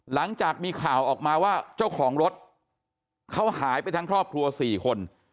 หลังจากมีข่าวออกมาว่าเจ้าของรถเขาหายไปทั้งครอบครัว๔คน